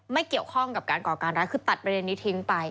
ไม่เกี่ยวข้องกับการก่อการร้ายคือตัดประเด็นนี้ทิ้งไป